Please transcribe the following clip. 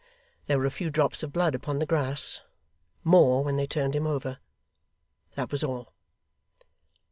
There were a few drops of blood upon the grass more, when they turned him over that was all.